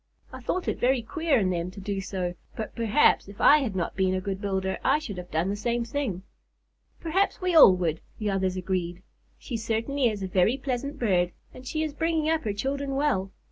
I thought it very queer in them to do so, but perhaps if I had not been a good builder I should have done the same thing." "Perhaps we all would," the others agreed. "She certainly is a very pleasant bird, and she is bringing up her children well.